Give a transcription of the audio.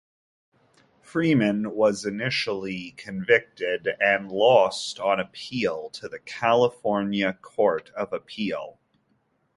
Freeman was initially convicted, and lost on appeal to the California Court of Appeal.